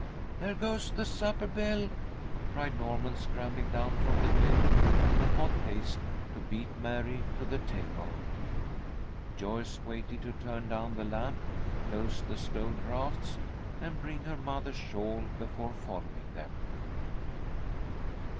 "There goes the supper bell," cried Norman, scrambling down from the bed in hot haste to beat Mary to the table. Joyce waited to turn down the lamp, close the stove draughts, and bring her mother's shawl, before following them.